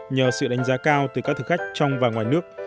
nhờ sự đánh giá cao từ các thực khách trong và ngoài nước